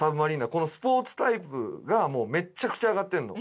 このスポーツタイプがもうめちゃくちゃ上がってるの。